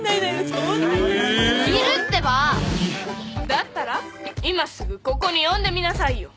だったら今すぐここに呼んでみなさいよ。